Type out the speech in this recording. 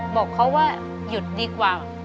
บอกเขาว่าหยุดดีกว่า